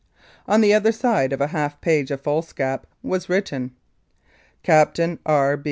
On the other side of a half page of foolscap was written : "CAPITAINE R.